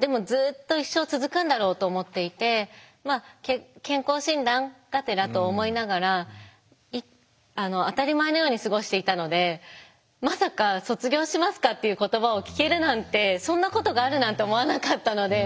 でもずっと一生続くんだろうと思っていて健康診断がてらと思いながら当たり前のように過ごしていたのでまさか「卒業しますか？」っていう言葉を聞けるなんてそんなことがあるなんて思わなかったので。